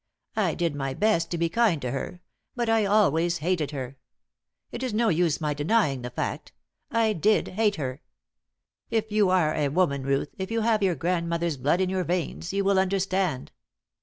I did my best to be kind to her; but I always hated her. It is no use my denying the fact I did hate her! If you are a woman, Ruth, if you have your grandmother's blood in your veins, you will understand."